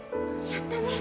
やったね！